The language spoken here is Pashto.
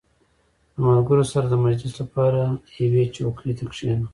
• د ملګرو سره د مجلس لپاره یوې چوکۍ ته کښېنه.